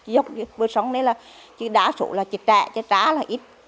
dốc với sông này là chứ đa số là chết trẻ chết trá là ít